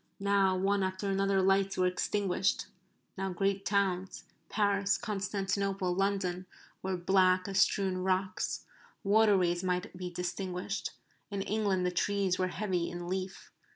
Now one after another lights were extinguished. Now great towns Paris Constantinople London were black as strewn rocks. Waterways might be distinguished. In England the trees were heavy in leaf.